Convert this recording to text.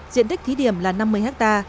diện tích thí điểm là năm mươi hecta